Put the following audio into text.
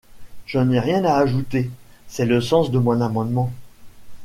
» Je n’ai rien à ajouter : c’est le sens de mon amendement.